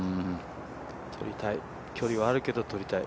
取りたい、距離はあるけど、取りたい。